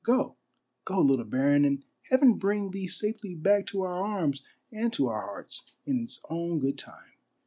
Go, go, little baron, and Heaven bring thee safely back to our arms and to our hearts in its own good time."